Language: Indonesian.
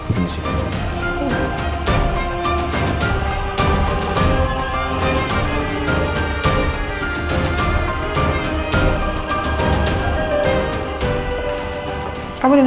yandros aku udah pulang